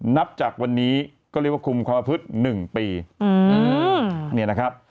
นับจากวันนี้ก็เรียกว่าคุมความละพึด๑ปี